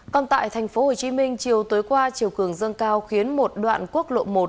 còn tại tp hcm chiều tối qua chiều cường dâng cao khiến một đoạn quốc lộ một